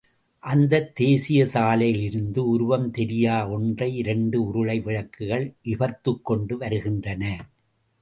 அந்த தேசியச் சாலையிலிருந்து உருவம் தெரியா ஒன்றை இரண்டு உருளை விளக்குகள் இபத்துக் கொண்டு வருகின்றன.